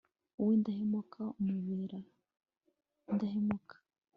uw'indahemuka, umubera indahemuka